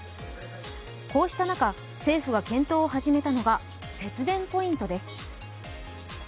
こうした中、政府が検討を始めたのが節電ポイントです。